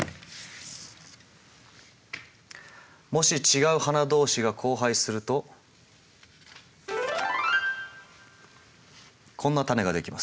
もし違う花同士が交配するとこんな種が出来ます。